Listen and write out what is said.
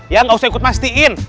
ya gak usah ikut pastiin